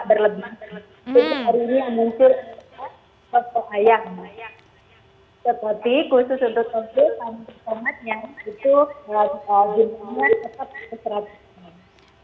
seperti khusus untuk tomat yang itu jumlahnya tetap seratus gram